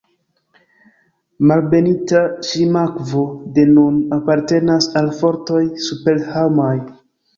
Malbenita Ŝlimakvo de nun apartenas al fortoj superhomaj.